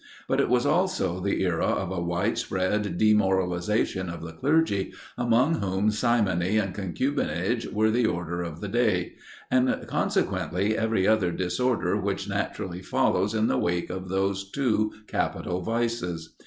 But it was also the era of a wide spread demoralization of the clergy, among whom simony and concubinage were the order of the day; and, consequently, every other disorder which naturally follows in the wake of those two capital vices.